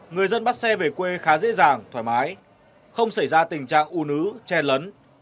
người dân bắt xe về quê khá dễ dàng thoải mái không xảy ra tình trạng u nứ che lấn